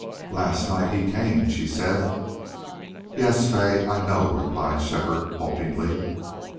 "Last night HE CAME!" she said. "Yes Fay I I know," replied Shefford, haltingly.